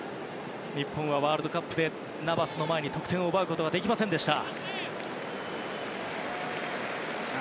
日本はワールドカップでナバスの前に得点を奪えませんでした。